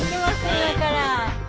今から。